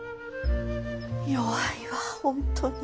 弱いわ本当に。